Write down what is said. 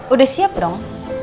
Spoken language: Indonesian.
udah siap dong